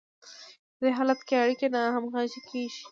په دې حالت کې اړیکې ناهمغږې کیږي.